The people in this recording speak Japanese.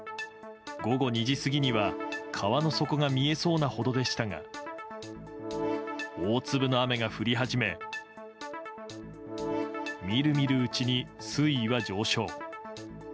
午後２時過ぎには川の底が見えそうなほどでしたが大粒の雨が降り始め見る見るうちに水位は上昇。